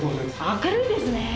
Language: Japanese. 明るいですねえ。